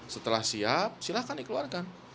setelah siap silahkan dikeluarkan